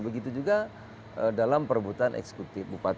begitu juga dalam perebutan eksekutif bupati